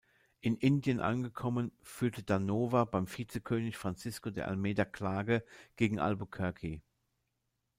In Indien angekommen führte da Nova beim Vizekönig Francisco de Almeida Klage gegen Albuquerque.